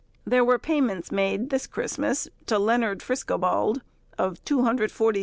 There were payments made this Christmas to Leonard Friscobald of £247 12_s.